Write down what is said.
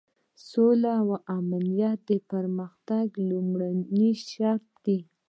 سوله او امنیت د پرمختګ لومړنی شرط دی.